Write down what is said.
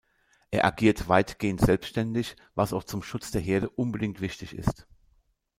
Er agiert weitgehend selbstständig, was auch zum Schutz der Herde unbedingt wichtig ist.